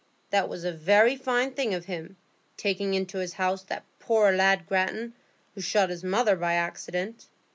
That was a very fine thing of him,—taking into his house that poor lad Grattan, who shot his mother by accident.